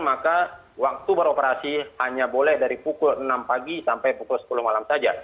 maka waktu beroperasi hanya boleh dari pukul enam pagi sampai pukul sepuluh malam saja